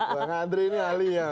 bang andri ini ahlinya